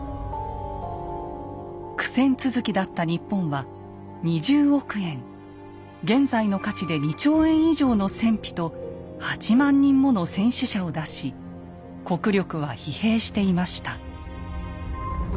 苦戦続きだった日本は２０億円現在の価値で２兆円以上の戦費と８万人もの戦死者を出し国力は疲弊していました。